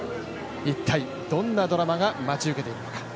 一体、どんなドラマが待ち受けているのか。